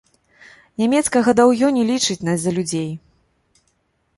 Нямецкае гадаўё не лічыць нас за людзей.